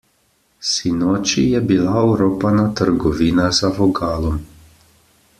Sinoči je bila oropana trgovina za vogalom.